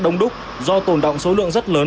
đông đúc do tồn động số lượng rất lớn